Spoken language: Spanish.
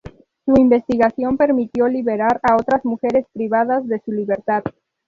Su investigación permitió liberar a otras mujeres privadas de su libertad.